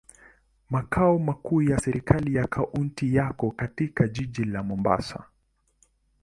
Makao makuu ya serikali ya kaunti yako katika jiji la Mombasa.